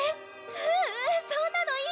ううんそんなのいい。